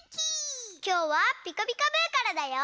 きょうは「ピカピカブ！」からだよ。